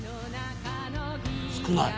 少ない。